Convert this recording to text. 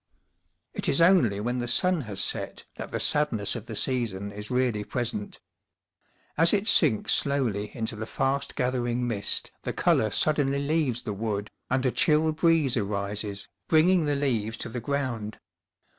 It is only when the sun has set that the sadness of the season is really present. As it sinks slowly into the fast gathering mist, the colour suddenly leaves the wood, and a chill breeze arises, bringing the leaves to the ground.